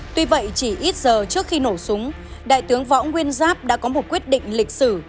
tuy vậy chỉ ít giờ trước khi nổ súng đại tướng võ nguyên giáp đã có một quyết định lịch sử